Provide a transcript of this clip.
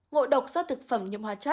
ngô độc do thực phẩm nhiễm hóa chất